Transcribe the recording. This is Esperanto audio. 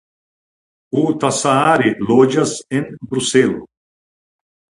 Huhtasaari loĝas en Bruselo.